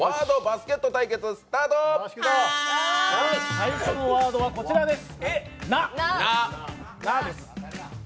最初のワードはこちらです、